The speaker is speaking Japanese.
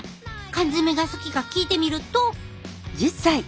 缶詰が好きか聞いてみると。